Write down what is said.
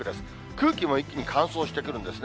空気も一気に乾燥してくるんですね。